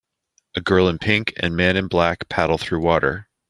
A girl in pink and man in black paddle through water.